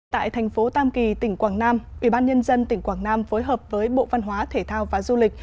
tại thành phố tam kỳ tỉnh quảng nam ubnd tỉnh quảng nam phối hợp với bộ văn hóa thể thao và du lịch